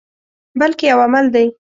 بلکې یو عمل دی.